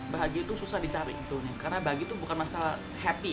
bahagia itu susah dicari karena bahagia itu bukan masalah happy